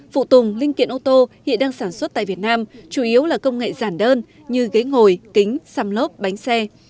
phụ tùng linh kiện ô tô hiện đang sản xuất tại việt nam chủ yếu là công nghệ giản đơn như ghế ngồi kính xăm lốp bánh xe